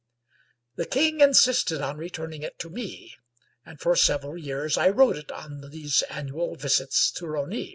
The king insisted on returning it to me, and for several years I rode it on these annual visits to Rosny.